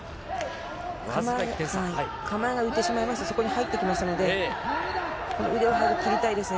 構えが浮いてしまいますと、そこに入ってきますので、この腕を早く切りたいですね。